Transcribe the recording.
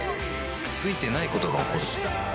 ついてないことが起こる